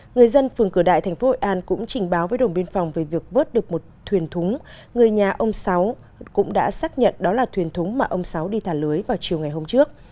người dân phường cửa đại tp hội an cũng trình báo với đồn biên phòng về việc vớt được một thuyền thúng người nhà ông sáu cũng đã xác nhận đó là thuyền thúng mà ông sáu đi thả lưới vào chiều ngày hôm trước